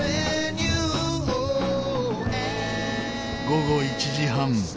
午後１時半。